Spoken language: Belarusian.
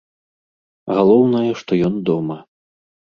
Галоўнае, што ён дома.